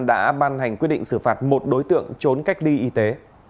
đã ban hành quyết định xử phạt một đối tượng trốn cách ly y tế